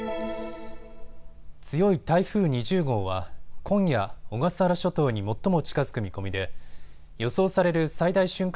強い台風２０号は今夜、小笠原諸島に最も近づく見込みで予想される最大瞬間